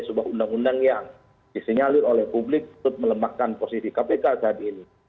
sebuah undang undang yang disinyalir oleh publik untuk melemahkan posisi kpk saat ini